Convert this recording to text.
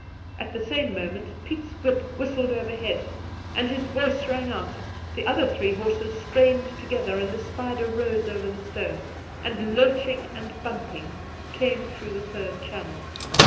At the same moment Piet's whip whistled overhead, and his voice rang out ; the other three horses strained together, and the spider rose over the stone, and, lurching and bumping, came through the third channel.